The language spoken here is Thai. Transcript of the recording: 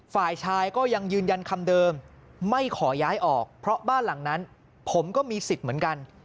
ฝ่ายชายก็ยังยืนยันคำเดิมไม่ขอย้ายออกเพราะบ้านหลังนั้นผมก็มีสิทธิ์เหมือนกัน